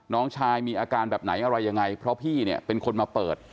น้องชายมีอาการแบบไหนอะไรยังไงเพราะพี่เนี่ยเป็นคนมาเปิด